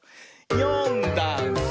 「よんだんす」